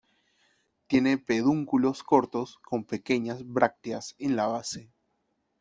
Tiene pedúnculos cortos con pequeñas brácteas en la base.